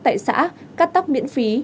tại xã cắt tóc miễn phí